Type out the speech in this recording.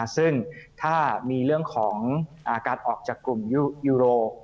ซึ่งถ้ามีเรื่องของการออกจากกลุ่มยูโร